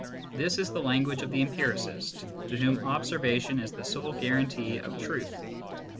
This is the language of the empiricist, to whom observation is the sole guaran tee of truth.